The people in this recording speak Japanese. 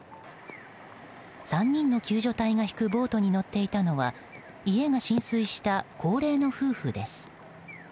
３人の救助隊が引くボートに乗っていたのは家が浸水した高齢の夫婦です。